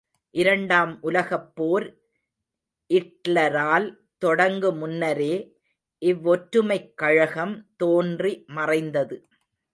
இரண்டாம் உலகப் போர் இட்லரால் தொடங்கு முன்னரே இவ்வொற்றுமைக் கழகம் தோன்றி மறைந்தது.